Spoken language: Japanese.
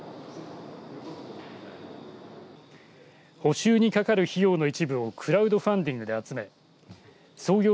補修にかかる費用の一部をクラウドファンディングで集め創業